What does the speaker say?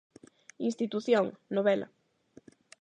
Institución: novela.